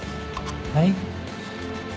はい。